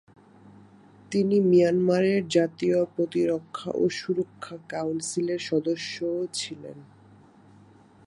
তিনি মিয়ানমারের জাতীয় প্রতিরক্ষা ও সুরক্ষা কাউন্সিলের সদস্যও ছিলেন।